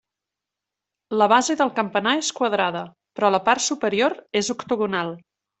La base del campanar és quadrada, però la part superior és octogonal.